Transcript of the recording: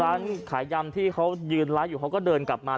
ร้านขายยำที่เขายืนไลฟ์อยู่เขาก็เดินกลับมา